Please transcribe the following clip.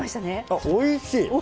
あおいしい！